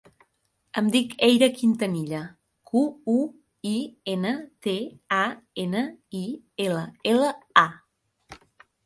Em dic Eyra Quintanilla: cu, u, i, ena, te, a, ena, i, ela, ela, a.